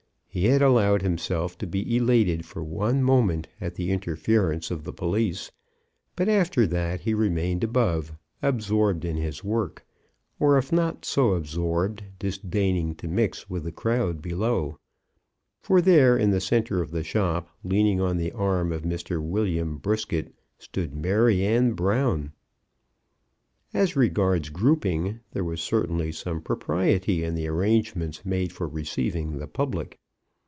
He had allowed himself to be elated for one moment at the interference of the police, but after that he remained above, absorbed in his work; or if not so absorbed, disdaining to mix with the crowd below. For there, in the centre of the shop, leaning on the arm of Mr. William Brisket, stood Maryanne Brown. As regards grouping, there was certainly some propriety in the arrangements made for receiving the public.